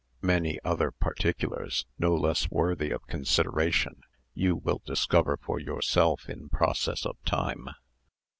Many other particulars, no less worthy of consideration, you will discover for yourself in process of time."